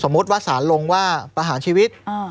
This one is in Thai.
สมมุติว่าสารลงว่าประหารชีวิตอ่า